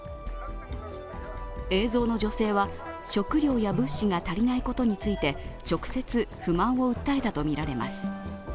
映像の女性は食料や物資が足りないことについて、直接不満を訴えたとみられます。